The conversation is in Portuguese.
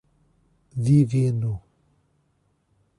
Divino